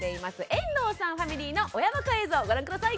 遠藤さんファミリーの親バカ映像ご覧下さい！